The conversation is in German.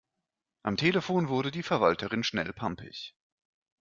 Am Telefon wurde die Verwalterin schnell pampig.